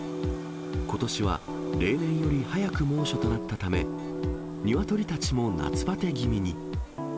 ことしは例年より早く猛暑となったため、ニワトリたちも夏ばて気味に。